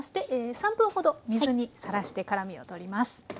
３分ほど水にさらして辛みを取ります。